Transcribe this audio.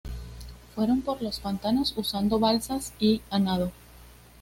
Fueron por los pantanos usando balsas y a nado.